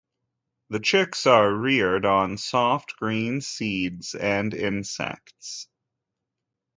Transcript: The chicks are reared on soft green seeds and insects.